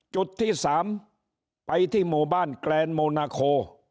จุดที่๓ไปที่หมู่บ้านแกรนโมนาโค